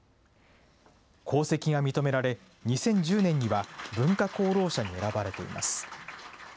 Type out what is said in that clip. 功績が認められ、２０１０年には文化功労者に選ばれています。